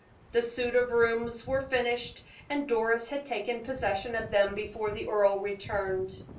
The suit of rooms were finished, and Doris had taken possession of them before the earl returned.